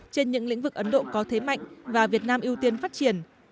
trên những lĩnh vực ấn độ có thế mạnh và việt nam ưu tiên phát triển